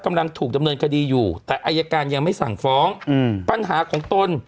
กำลังถูกดำเนินคดีอยู่แต่อายการยังไม่สั่งฟ้องอืมปัญหาของตน